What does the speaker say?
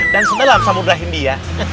dan setelah aku samudrahin dia